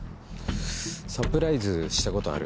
サプライズしたことある？